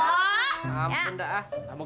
ya ampun dah ah